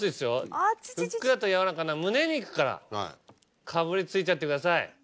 ふっくらと柔らかな胸肉からかぶりついちゃってください。